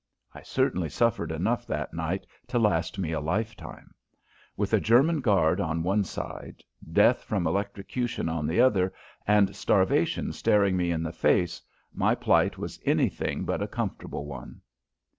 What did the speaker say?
I certainly suffered enough that night to last me a lifetime. With a German guard on one side, death from electrocution on the other, and starvation staring me in the face, my plight was anything but a comfortable one.